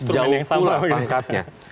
jauh pulang pangkatnya